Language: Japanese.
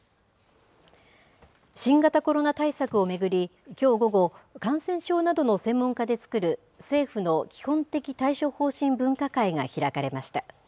新型コロナ対策を巡り、きょう午後、感染症などの専門家で作る政府の基本的対処方針分科会が開かれました。